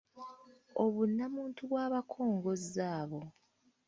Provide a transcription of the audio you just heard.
Obunnamuntu bw’abakongozzi abo